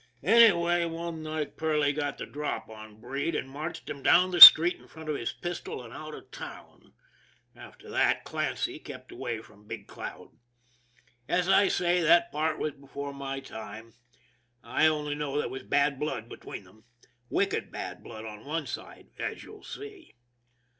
Any way, one night Perley got the drop on Breed and marched him down the street in front of his pistol and out of the town. After that, Clancy kept away from Big Cloud. As I say, that part was before my time. I only know there was bad blood between them ; wicked bad blood on one side, as you'll see.